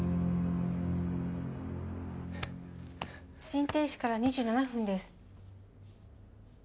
心停止から２７分です。